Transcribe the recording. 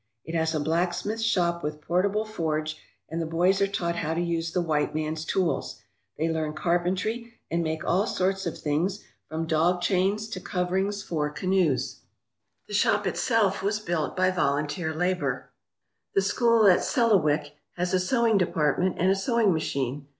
It has a blacksmith shop with portable forge and the boys are taught how to use the white man's tools. They learn carpentry and make all sorts of things from dog chains to 227 ALASKA OUR NORTHERN WONDERLAND coverings for canoes. The shop itself was built by vol unteer labour. The school at Selawik has a sewing department and a sewing machine.